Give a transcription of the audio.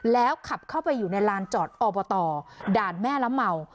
แล้วขับเข้าไปอยู่ในลานจอดอบตด่านแม่ละเมา